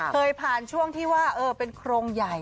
เคยผ่านช่วงที่ว่าเป็นโครงใหญ่